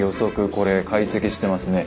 これ解析してますね。